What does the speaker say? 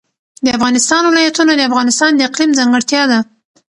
د افغانستان ولايتونه د افغانستان د اقلیم ځانګړتیا ده.